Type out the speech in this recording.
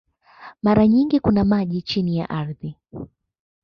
Mara nyingi kuna maji chini ya ardhi.